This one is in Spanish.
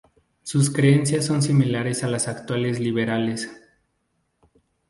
Sus creencias son similares a las actuales Liberales.